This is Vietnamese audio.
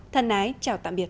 thân ái chào tạm biệt